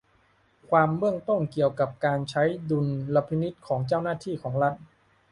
ความเบื้องต้นเกี่ยวกับการใช้ดุลพินิจของเจ้าหน้าที่ของรัฐ